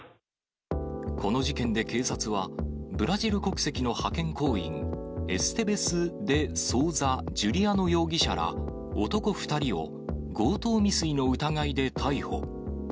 この事件で警察は、ブラジル国籍の派遣工員、エステベス・デ・ソウザ・ジュリアノ容疑者ら、男２人を強盗未遂の疑いで逮捕。